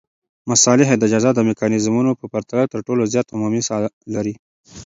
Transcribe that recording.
مصالحې د جزا د میکانیزمونو په پرتله تر ټولو زیات عمومي ساه لري.